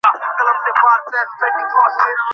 এরকম বাড়ির নাম কেউ কুটির রাখে?